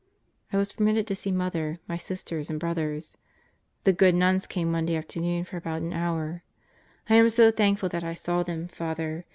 I was permitted to see Mother, my sisters and brothers. The good nuns came Monday afternoon for about an hour. I am so thankful that I saw them, Father.